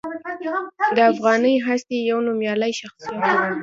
د افغاني هستې یو نومیالی شخصیت و.